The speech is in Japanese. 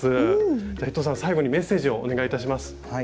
じゃ伊藤さん最後にメッセージをお願いいたします。